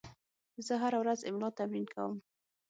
زه هره ورځ املا تمرین کوم.